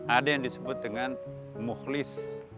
ada yang disebut dengan muhlis